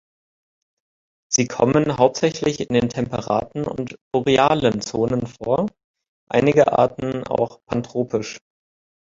Sie kommen hauptsächlich in den temperaten und borealen Zonen vor, einige Arten auch pantropisch.